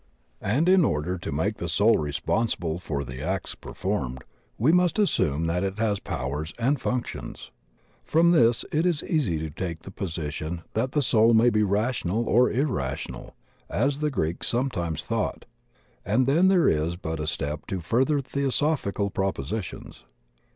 And in order to make the soul responsible for the acts performed, we must assume that it has powers and functions. From this it is easy to take the position that the soul may be rational or irrational, as the Greeks sometimes thought, and then there is but a step to further Theosophical propositions.